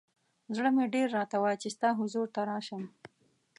ز ړه مې ډېر راته وایی چې ستا حضور ته راشم.